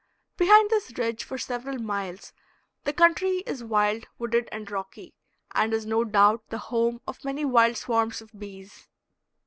Behind this ridge for several miles the country is wild, wooded, and rocky, and is no doubt the home of many wild swarms of bees.